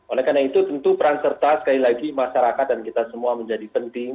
oleh karena itu tentu peran serta sekali lagi masyarakat dan kita semua menjadi penting